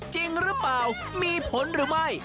จริงหรือเปล่ามีผลหรือไม่